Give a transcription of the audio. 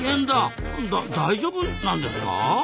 だ大丈夫なんですか？